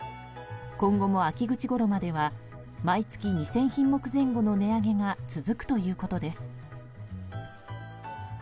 今後も秋口ごろまでは毎月２０００品目前後の値上げが続くということです。